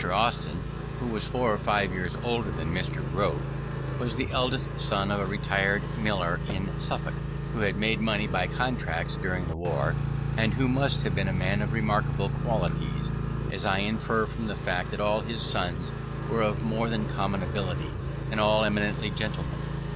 Austin, who was four or five years older than Mr. Grote, was the eldest son of a retired miller in Suffolk, who had made money by contracts during the war, and who must have been a man of remarkable qualities, as I infer from the fact that all his sons were of more than common ability and all eminently gentlemen.